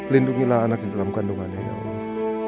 lindungilah anak dalam kandungannya ya allah